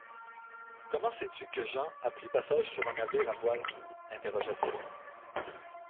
Comment sais-tu que Jean a pris passage sur un navire à voiles ? interrogea-t-il.